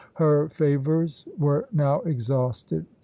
Her favors were now exhausted.